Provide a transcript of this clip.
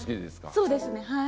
そうですねはい。